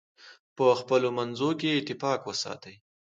په خپلو منځونو کې اتفاق وساتئ.